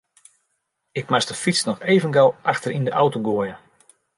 Ik moast de fyts noch even gau achter yn de auto goaie.